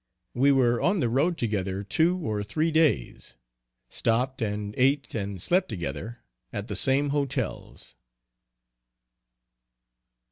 We were on the road together two or three days; stopped and ate and slept together at the same hotels.